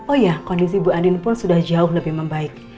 oh ya kondisi bu andin pun sudah jauh lebih membaik